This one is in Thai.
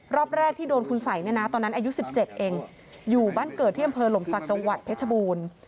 รอบแรกที่โดนคุณสัยเนี่ยนะตอนนั้นอายุ๑๗เองอยู่บ้านเกิดที่อำเภอหลมศักดิ์จังหวัดเพชรบูรณ์